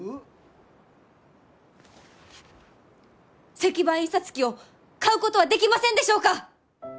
石版印刷機を買うことはできませんでしょうか？